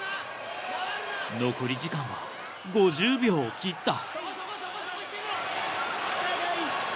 残り時間は５０秒を切った。